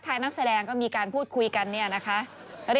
มาทำอะไรมาทำอะไรมารอใคร